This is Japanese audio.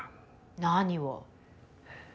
何を？